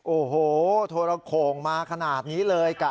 โอ้โหโทรโข่งมาขนาดนี้เลย